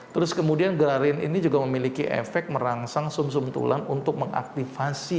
terus kemudian grarin ini juga memiliki efek merangsang sum sum tulang untuk mengaktifasi